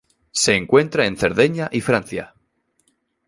Se encuentra en Cerdeña y Francia.